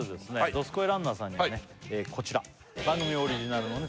どすこいランナーさんにはねこちら番組オリジナルのね